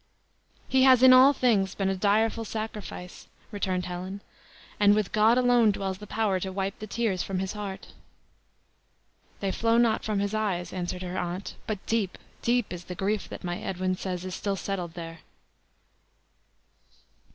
"He has in all things been a direful sacrifice," returned Helen; "and with God alone dwells the power to wipe the tears from his heart." "They flow not from his eyes," answered her aunt; "but deep, deep is the grief that, my Edwin says, is settled there."